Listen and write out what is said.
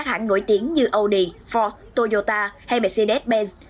hàng nổi tiếng như audi ford toyota hay mercedes benz